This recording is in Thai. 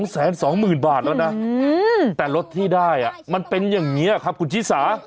๒๐๐๐บาทแล้วนะแต่รถที่ได้มันเป็นอย่างนี้ครับคุณชิสา